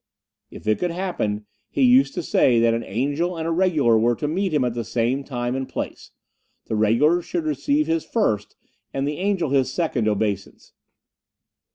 If it could happen, he used to say, that an angel and a Regular were to meet him at the same time and place, the Regular should receive his first, and the angel his second obeisance."